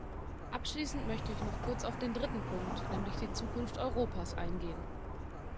Abschließend möchte ich noch kurz auf den dritten Punkt, nämlich die Zukunft Europas, eingehen.